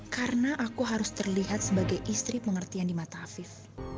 karena aku harus terlihat sebagai istri pengertian di mata afif